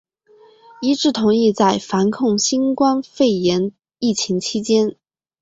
一致同意在防控新冠肺炎疫情期间